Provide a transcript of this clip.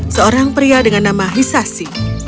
seorang pria dengan nama hisasi